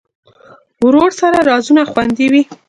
ورور سره رازونه خوندي وي.